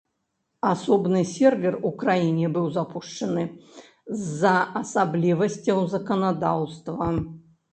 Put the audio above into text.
Асобны сервер у краіне быў запушчаны з-за асаблівасцяў заканадаўства.